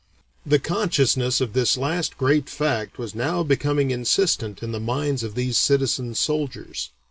The consciousness of this last great fact was now becoming insistent in the minds of these citizen soldiers.